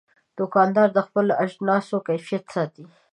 دوکاندار د خپلو اجناسو کیفیت ساتي.